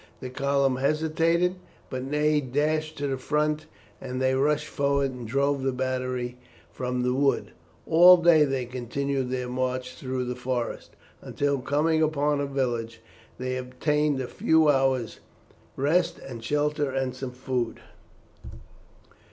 The column hesitated, but Ney dashed to the front, and they rushed forward and drove the battery from the wood. All day they continued their march through the forest, until, coming upon a village, they obtained a few hours' rest and shelter and some food.